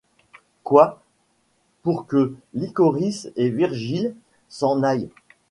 Quoi ! pour que Lycoris et Virgile s'en aillent